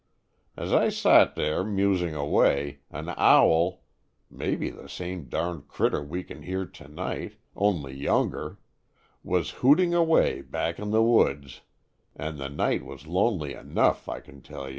As I sot there, musing away, an owl — mebbe the same darned critter we can hear to night, only younger — was hoot ing away back in the woods and the 48 Stories from the Adirondack^. night was lonely enough, I can tell ye.